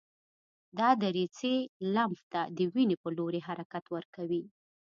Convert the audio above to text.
دا دریڅې لمف ته د وینې په لوري حرکت ورکوي.